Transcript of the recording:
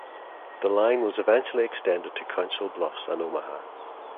The line was eventually extended to Council Bluffs and Omaha.